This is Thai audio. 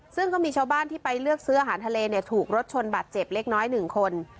ซึ่งก็มีชาวบ้านที่ไปเลือกซื้ออาหารทะเลเนี่ยถูกรถชนบาดเจ็บเล็กน้อย๑คน